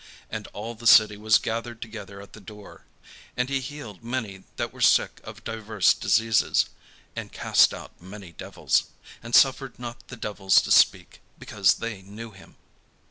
And all the city was gathered together at the door. And he healed many that were sick of divers diseases, and cast out many devils; and suffered not the devils to speak, because they knew him.